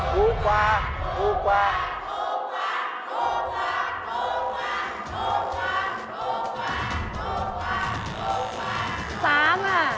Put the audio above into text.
ถูกกว่า